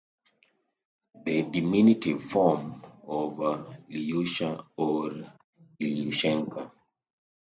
The diminutive form is Ilyusha or Ilyushenka.